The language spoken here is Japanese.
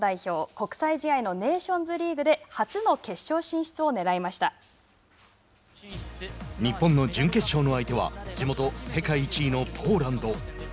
国際試合のネーションズリーグで日本の準決勝の相手は地元世界１位のポーランド。